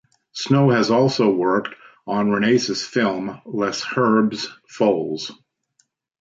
Snow has also worked on Resnais's film "Les Herbes folles".